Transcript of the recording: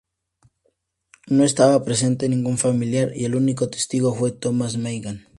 No estaba presente ningún familiar, y el único testigo fue Thomas Meighan.